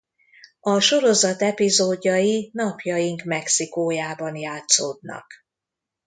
A sorozat epizódjai napjaink Mexikójában játszódnak.